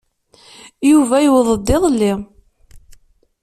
Yuba yewweḍ-d iḍelli.